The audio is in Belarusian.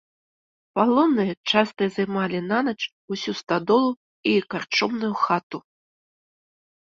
Палонныя часта займалі нанач усю стадолу і карчомную хату.